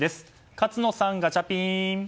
勝野さん、ガチャピン！